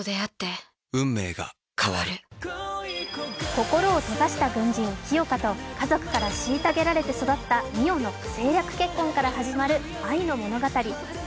心を閉ざした軍人、清霞と家族から虐げられて育った美世の政略結婚から始まる愛の物語。